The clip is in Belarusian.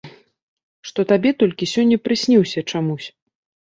Што табе толькі сёння прысніўся чамусь.